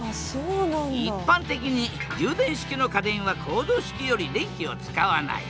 一般的に充電式の家電はコード式より電気を使わない。